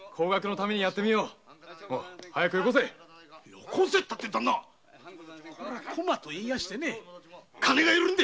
よこせったってダンナこれは駒といって金が要るんで。